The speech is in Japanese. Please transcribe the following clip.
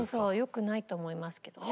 良くないと思いますけどね。